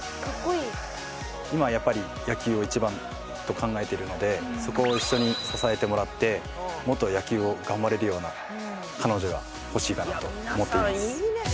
今はやっぱりそこを一緒に支えてもらってもっと野球を頑張れるような彼女が欲しいかなと思っています